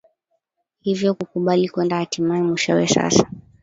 hivyo kukubali kwenda hatimae mwishowe sasa